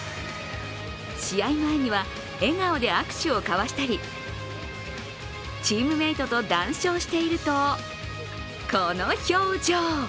試合前には笑顔で握手を交わしたり、チームメートと談笑しているとこの表情。